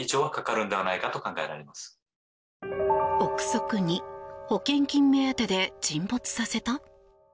臆測２保険金目当てで沈没させた？